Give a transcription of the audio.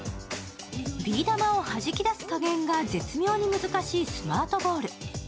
ビー玉をはじき出す加減が絶妙に難しいスマートボール。